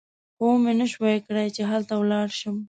خو ومې نه شوای کړای چې هلته ولاړ شم.